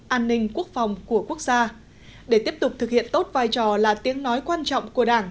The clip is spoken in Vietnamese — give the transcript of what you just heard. an ninh quốc phòng của quốc gia để tiếp tục thực hiện tốt vai trò là tiếng nói quan trọng của đảng